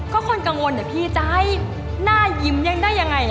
ก็คนกังวลแต่พี่จะให้หน้ายิ้มยังได้ยังไง